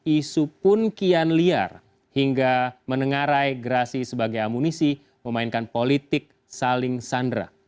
isu pun kian liar hingga menengarai gerasi sebagai amunisi memainkan politik saling sandra